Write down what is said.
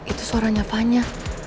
itu suaranya fanya